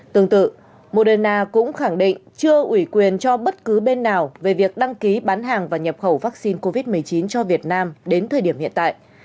tương tự moderna cũng khẳng định chưa ủy quyền cho bất cứ bên nào về việc đăng ký bán hàng và nhập khẩu vaccine covid một mươi chín cho việt nam đến thời điểm hiện tại